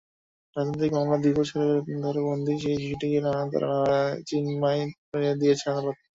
রাজনৈতিক মামলায় দুই বছর ধরে বন্দী সেই শিশুটিকে তার নানির জিম্মায় দিয়েছেন আদালত।